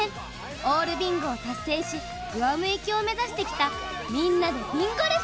オールビンゴを達成しグアム行きを目指してきた『みんなでＢＩＮＧＯＬＦ』。